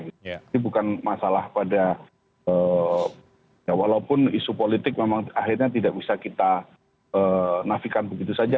ini bukan masalah pada ya walaupun isu politik memang akhirnya tidak bisa kita nafikan begitu saja